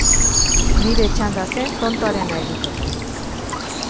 Nire txanda zen tontoarena egiteko.